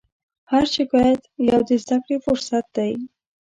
هر شکایت یو د زدهکړې فرصت دی.